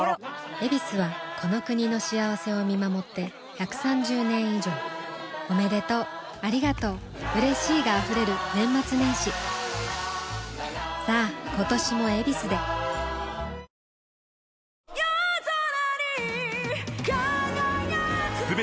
「ヱビス」はこの国の幸せを見守って１３０年以上おめでとうありがとううれしいが溢れる年末年始さあ今年も「ヱビス」でファミマ！